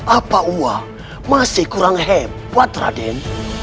apa uang masih kurang hebat raden